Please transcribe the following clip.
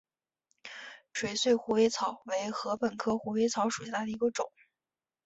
垂穗虎尾草为禾本科虎尾草属下的一个种。